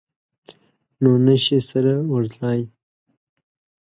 نو نه شي سره ورتلای.